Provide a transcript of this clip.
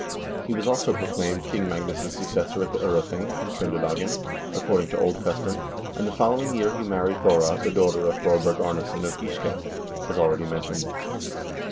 He was also proclaimed King Mag nus' successor at the 0rething, in Tr0ndelagen, according to old custom, and the following year he married Thora, the daughter of Thorberg Arnesson of Giske, as already mentioned.